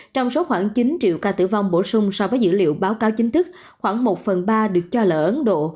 trong số khoảng chín triệu ca tử vong bổ sung so với dữ liệu báo cáo chính thức khoảng một phần ba được cho là ở ấn độ